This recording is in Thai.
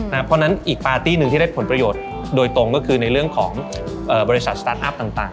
เพราะฉะนั้นอีกปาร์ตี้หนึ่งที่ได้ผลประโยชน์โดยตรงก็คือในเรื่องของบริษัทสตาร์ทอัพต่าง